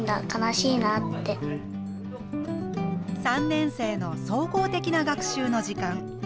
３年生の総合的な学習の時間。